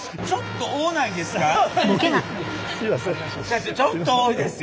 社長ちょっと多いですよ。